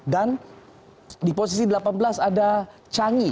dan di posisi delapan belas ada canghi